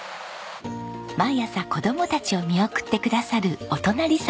毎朝子供たちを見送ってくださるお隣さんへ。